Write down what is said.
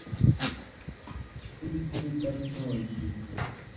په کلي کي درس نه وویل کیږي.